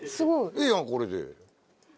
ええやんこれで。